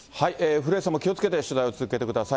古江さんも気をつけて取材を続けてください。